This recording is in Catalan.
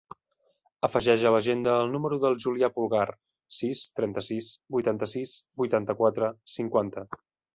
Afegeix a l'agenda el número del Julià Pulgar: sis, trenta-sis, vuitanta-sis, vuitanta-quatre, cinquanta.